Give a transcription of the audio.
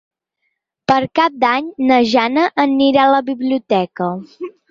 Per Cap d'Any na Jana anirà a la biblioteca.